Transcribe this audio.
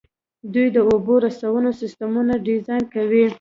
دوی د اوبو رسونې سیسټمونه ډیزاین کوي.